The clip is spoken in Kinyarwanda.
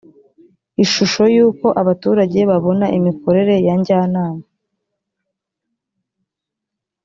ishusho y’uko abaturage babona imikorere ya njyanama